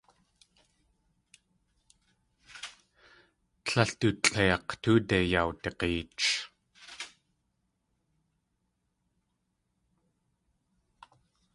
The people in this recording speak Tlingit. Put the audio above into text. Tlél du tlʼeik̲ tóode yawdag̲eech.